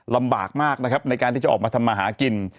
ลำบากมากนะครับในการที่จะออกมาทำมาหากิน